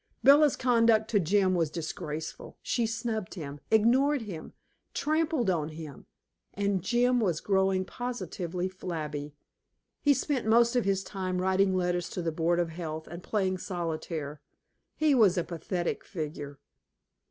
Bella's conduct to Jim was disgraceful. She snubbed him, ignored him, tramped on him, and Jim was growing positively flabby. He spent most of his time writing letters to the board of health and playing solitaire. He was a pathetic figure.